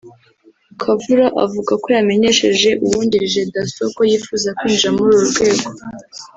Kavura avuga ko yamenyesheje uwungirije Dasso ko yifuza kwinjira muri uru rwego